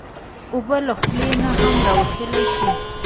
اوبه له خولې نه هم راوتلی شي.